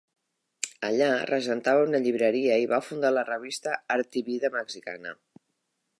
Allà regentava una llibreria i va fundar la revista "Art i vida mexicana".